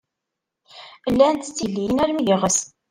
Llant d tigellilin armi d iɣes.